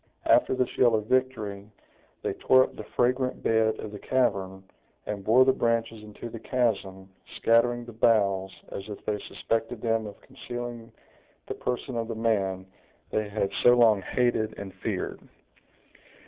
After this yell of victory, they tore up the fragrant bed of the cavern, and bore the branches into the chasm, scattering the boughs, as if they suspected them of concealing the person of the man they had so long hated and feared.